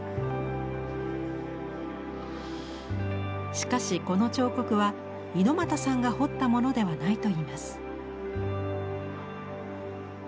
しかしこの彫刻はＩＮＯＭＡＴＡさんが彫ったものではないといいます。